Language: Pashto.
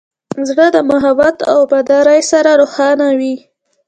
زړه د محبت او وفادارۍ سره روښانه وي.